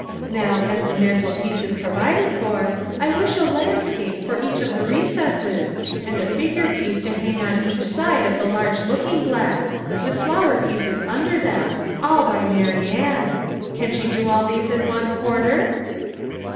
Now, as the mantel piece is provided for, I wish a landscape for each of the recesses, and a figure piece to hang on each side of the large looking glass, with flower pieces under them, all by Marianne. Can she do all these in one quarter?"